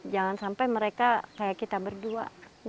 jangan sampai mereka kayak kita berdua